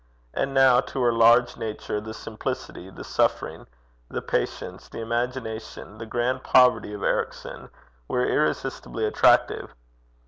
And now, to her large nature the simplicity, the suffering, the patience, the imagination, the grand poverty of Ericson, were irresistibly attractive.